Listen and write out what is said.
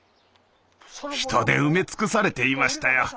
人で埋め尽くされていましたよ。